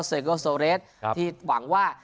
เซเกอร์โซเลสที่หวังว่า